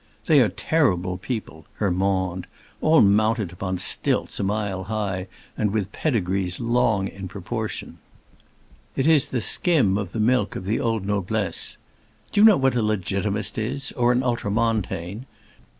They are terrible people—her monde; all mounted upon stilts a mile high, and with pedigrees long in proportion. It is the skim of the milk of the old noblesse. Do you know what a Legitimist is, or an Ultramontane?